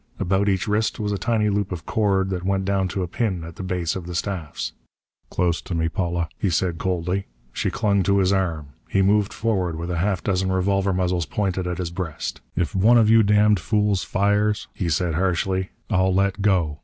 About each wrist was a tiny loop of cord that went down to a pin at the base of the staffs. "Close to me, Paula," he said coldly. She clung to his arm. He moved forward, with half a dozen revolver muzzles pointed at his breast. "If one of you damned fools fires," he said harshly, "I'll let go.